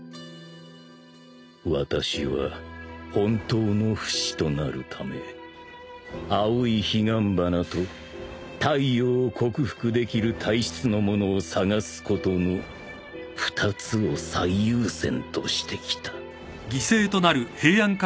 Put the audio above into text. ［私は本当の不死となるため青い彼岸花と太陽を克服できる体質の者を探すことの二つを最優先としてきた］